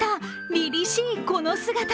りりしいこの姿。